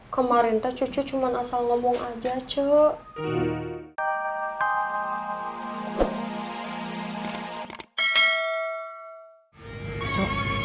kemarin teh cucu cuma asal ngomong aja cu